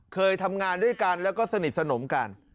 เคยทำงานด้วยกันแล้วก็สนิทสนมกัน